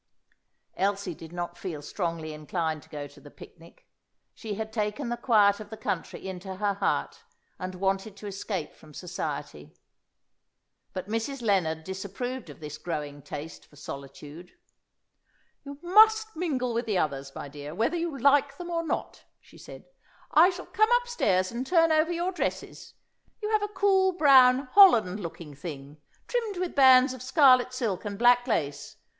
Elsie did not feel strongly inclined to go to the picnic. She had taken the quiet of the country into her heart, and wanted to escape from society. But Mrs. Lennard disapproved of this growing taste for solitude. "You must mingle with the others, my dear, whether you like them or not," she said. "I shall come upstairs and turn over your dresses. You have a cool, brown holland looking thing, trimmed with bands of scarlet silk and black lace.